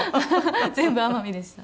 全部奄美でした。